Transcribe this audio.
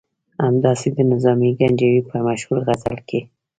همداسې د نظامي ګنجوي په مشهور غزل کې.